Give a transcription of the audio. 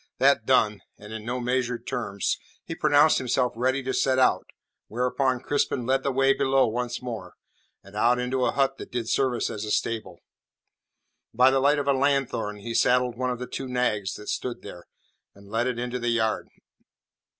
That done and in no measured terms he pronounced himself ready to set out, whereupon Crispin led the way below once more, and out into a hut that did service as a stable. By the light of a lanthorn he saddled one of the two nags that stood there, and led it into the yard.